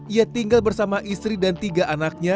ia tinggal bersama istri dan tiga anaknya